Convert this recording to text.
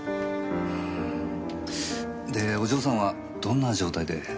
でお嬢さんはどんな状態で？